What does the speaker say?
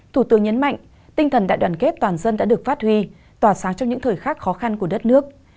thủ tướng nhấn mạnh tinh thần đại đoàn kết toàn dân đã được phát huy tỏa sáng trong những thời khắc khó khăn của đất nước